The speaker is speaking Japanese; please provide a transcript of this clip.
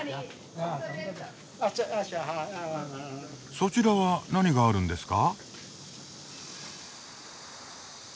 そちらは何があるんですか？